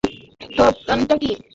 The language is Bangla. তো, প্ল্যানটা কী?